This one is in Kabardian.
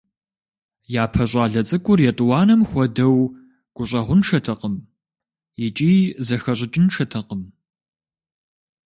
Япэ щӏалэ цӏыкӏур етӏуанэм хуэдэу гущӏэгъуншэтэкъым икӏи зэхэщӏыкӏыншэтэкъым.